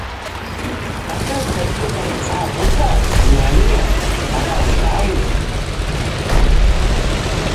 Атажв Батыр дгӏайцӏгӏатӏ: – Уабаъаз, йумагӏныйа, араъа уызгӏаййа?